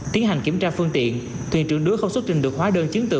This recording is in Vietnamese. tiến hành kiểm tra phương tiện thuyền trưởng đứa không xuất trình được hóa đơn chứng tự